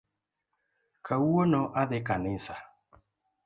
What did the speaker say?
Kawuono adhi kanisa